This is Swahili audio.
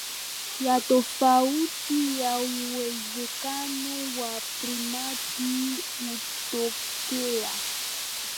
ya tofauti ya uwezekano wa primate hii hutokea